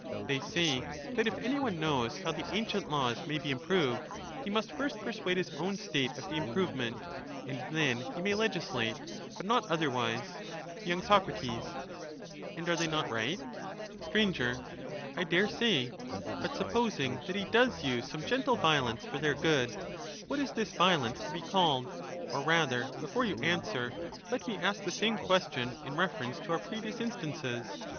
They say that if any one knows how the ancient laws A reformer may be improved, he must first persuade his own State of ^^°"^^jj^. the improvement, and then he may legislate, but not other kind with wise. ^^ K^^ .,^ even if he Y. Sac. And are they not right ? use a UtUe Str. I dare say. But supposing that he does use some violence, gentle violence for their good, what is this violence to be harm? called ? Or rather, before you answer, let me ask the same question in reference to our previous instances.